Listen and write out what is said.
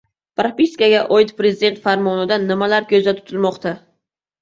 Propiskaga oid Prezident Farmonida nimalar ko‘zda tutilmoqda?